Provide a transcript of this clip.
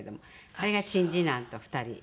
これが次男と２人。